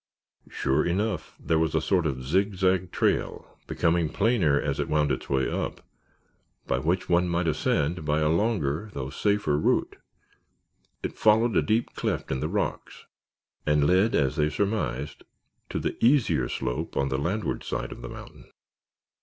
Sure enough, there was a sort of zigzag trail, becoming plainer as it wound its way up, by which one might ascend by a longer though safer route. It followed a deep cleft in the rocks and led, as they surmised, to the easier slope on the landward side of the mountain.